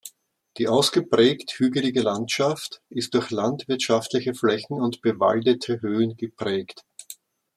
Die ausgeprägt hügelige Landschaft ist durch landwirtschaftliche Flächen und bewaldete Höhen geprägt.